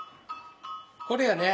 これやね？